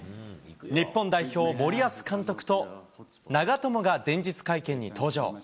日本代表、森保監督と、長友が前日会見に登場。